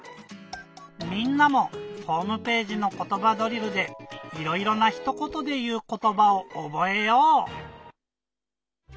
みんなもホームページの「ことばドリル」でいろいろなひとことでいうことばをおぼえよう！